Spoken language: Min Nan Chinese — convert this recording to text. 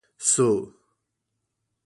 欶